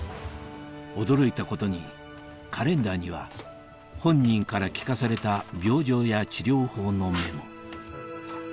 驚いたことにカレンダーには本人から聞かされた病状や治療法のメモ